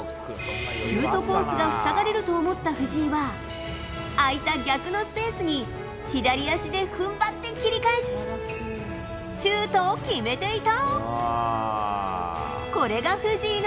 シュートコースが塞がれると思った藤井は空いた逆のスペースに左足で踏ん張って切り返しシュートを決めていた。